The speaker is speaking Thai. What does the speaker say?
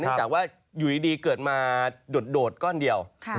จากว่าอยู่ดีเกิดมาโดดก้อนเดียว